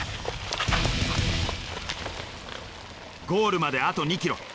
ゴールまであと２ｋｍ。